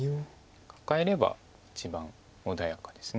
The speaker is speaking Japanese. カカえれば一番穏やかです。